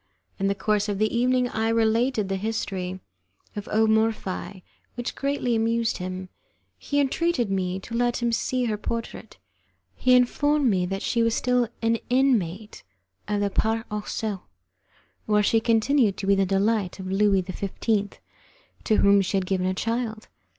In the course of the evening I related the history of O Morphi, which greatly amused him. He entreated me to let him see her portrait. He informed me that she was still an inmate of the 'Parc aux cerfs', where she continued to be the delight of Louis XV., to whom she had given a child.